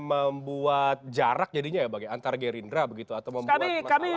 membuat jarak jadinya ya bagi antar gerindra begitu atau membuat masalah